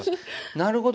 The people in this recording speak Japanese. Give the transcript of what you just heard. なるほど。